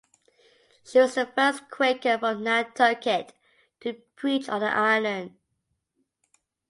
She was the first Quaker from Nantucket to preach on the island.